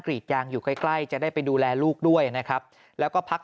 รีดยางอยู่ใกล้ใกล้จะได้ไปดูแลลูกด้วยนะครับแล้วก็พัก